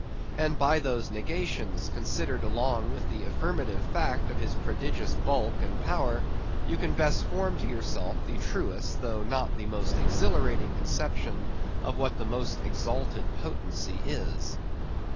And by those negations, considered along with the affirmative fact of his prodigious bulk and power, you can best form to yourself the truest, though not the most exhilarating conception of what the most exalted potency is.